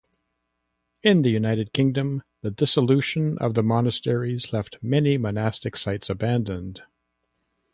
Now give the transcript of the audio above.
In the United Kingdom, the Dissolution of the Monasteries left many monastic sites abandoned.